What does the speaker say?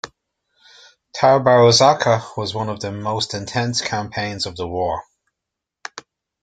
Tabaruzaka was one of the most intense campaigns of the war.